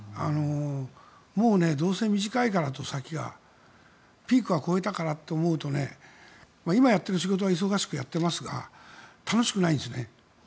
もうどうせ先は短いからとピークは越えたからと思うと今やっている仕事は忙しくてやっていますが楽しくないんですね。